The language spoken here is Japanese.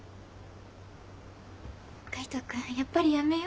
海斗君やっぱりやめよう。